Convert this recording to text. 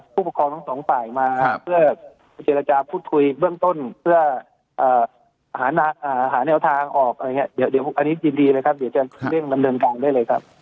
ผู้ปกครองทั้งสองฝ่ายมาเพื่อเจรจาพูดคุยเบื้องต้นเพื่อหาแนวทางออกอะไรอย่างเนี่ยเดี๋ยวอันนี้จริงเลยครับ